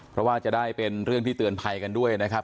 เพราะว่าจะได้เป็นเรื่องที่เตือนภัยกันด้วยนะครับ